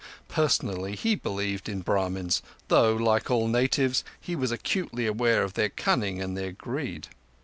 Personally, he believed in Brahmins, though, like all natives, he was acutely aware of their cunning and their greed.